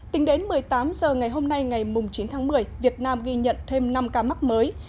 tính đến một mươi tám h ngày hôm nay ngày chín tháng một mươi việt nam ghi nhận thêm năm ca mắc mới